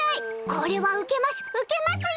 これはウケます、ウケますよ！